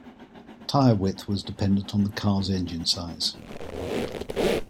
Tyre width was dependent on the car's engine size.